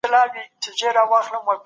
سترګې ښکته ونیسئ.